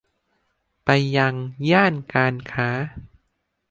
ไปยังย่านการค้า